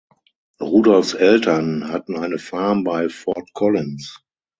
Rudolphs Eltern hatten eine Farm bei Fort Collins.